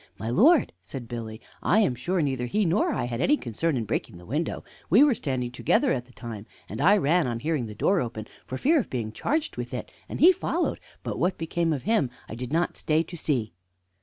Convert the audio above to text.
"My lord," said Billy, "I am sure neither he nor I had any concern in breaking the window. We were standing together at the time, and I ran on hearing the door open, for fear of being charged with it, and he followed; but what became of him I did not stay to see."